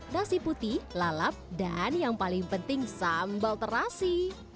nasi putih lalap dan yang paling penting sambal terasi